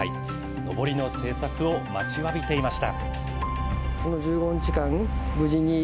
のぼりの制作を待ちわびていました。